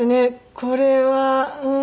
これはうん。